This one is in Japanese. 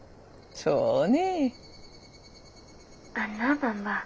そうね。